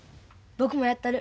僕もやったる。